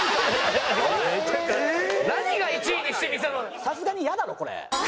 さすがに嫌だろこれ。